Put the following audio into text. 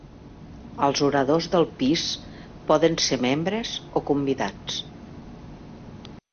Els oradors del pis poden ser membres o convidats.